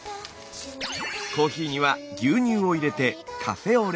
コーヒーには牛乳を入れてカフェオレに。